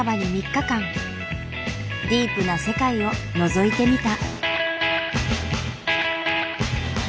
ディープな世界をのぞいてみた。